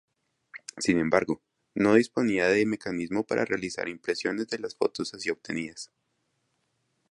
Sin embargo, no disponía de mecanismo para realizar impresiones de las fotos así obtenidas.